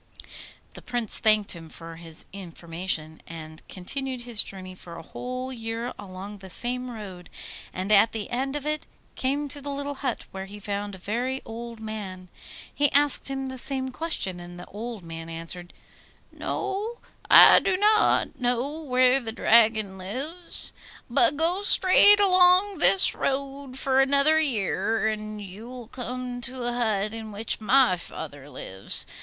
The Prince thanked him for his information, and continued his journey for a whole year along the same road, and at the end of it came to the little hut, where he found a very old man. He asked him the same question, and the old man answered, 'No, I do not know where the Dragon lives. But go straight along this road for another year, and you will come to a hut in which my father lives.